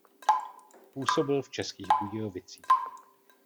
Působil v Českých Budějovicích.